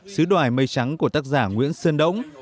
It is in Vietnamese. sứ đoài mây trắng của tác giả nguyễn sơn đống